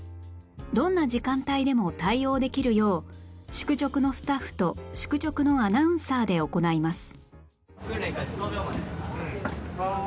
どんな時間帯でも対応できるよう宿直のスタッフと宿直のアナウンサーで行います